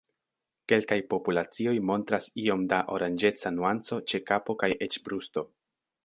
Kelkaj populacioj montras iom da oranĝeca nuanco ĉe kapo kaj eĉ brusto.